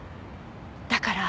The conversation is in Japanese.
だから